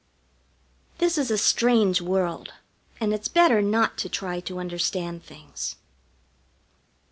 This is a strange world, and it's better not to try to understand things.